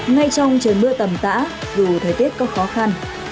ngay trong trời mưa tầm tã dù thời tiết có khó khăn